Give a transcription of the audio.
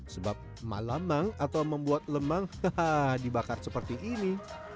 sebab malamang atau membuat lemang haha dibakar seperti ini